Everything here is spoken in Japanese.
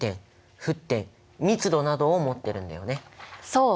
そう！